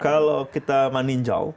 kalau kita maninjal